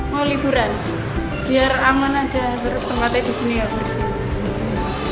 mau liburan biar aman aja terus tempatnya disini di sini